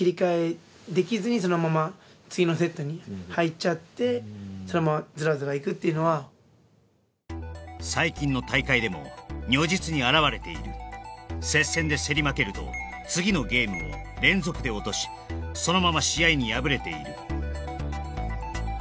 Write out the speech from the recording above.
競って負けると多いのがやっぱり最近の大会でも如実に表れている接戦で競り負けると次のゲームも連続で落としそのまま試合に敗れている